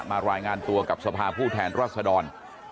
รายงานตัวกับสภาผู้แทนรัศดร